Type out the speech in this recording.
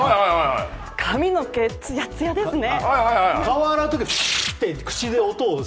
髪の毛つやつやですね